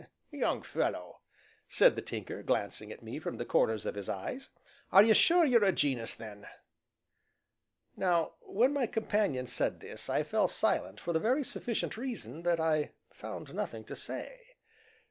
"Young fellow," said the Tinker, glancing at me from the corners of his eyes, "are you sure you are a gen'us then?" Now when my companion said this I fell silent, for the very sufficient reason that I found nothing to say.